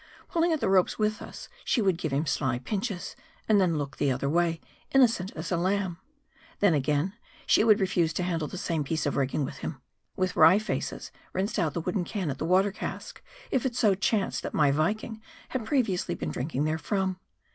Pulling at the ropes with us, she would give him sly pinches, and then look another way, innocent as a lamb. Then again, she would refuse to handle the same piece of rigging with him ; with wry faces, rinsed out the wooden can at the water cask, if it so chanced that my Viking had previ ously been drinking therefrom.